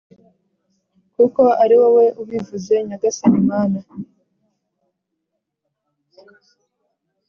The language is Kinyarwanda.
kuko ari wowe ubivuze Nyagasani Mana